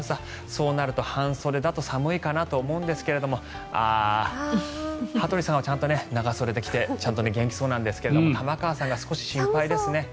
そうなると半袖だと寒いかなと思うんですがああ、羽鳥さんはちゃんと長袖を着て元気そうなんですが玉川さんが少し心配ですね。